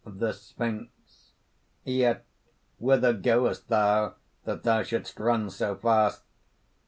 THE SPHINX. "Yet whither goest thou, that thou shouldst run so fast?"